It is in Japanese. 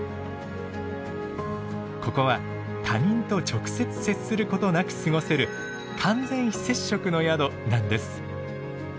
ここは他人と直接接することなく過ごせる「完全非接触」の宿なんです。